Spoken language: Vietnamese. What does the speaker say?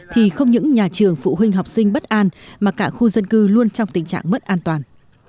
thì không những nhà trường phụ huynh học sinh bất an mà cả khu dân cư luôn trong tình trạng mất an toàn